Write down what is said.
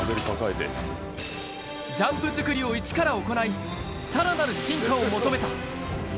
ジャンプ作りを一から行い、さらなる進化を求めた。